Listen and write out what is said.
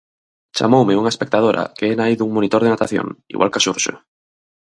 Chamoume unha espectadora que é nai dun monitor de natación, igual ca Xurxo.